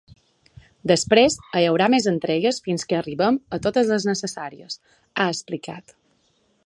“Després hi haurà més entregues fins que arribem a totes les necessàries”, ha explicat.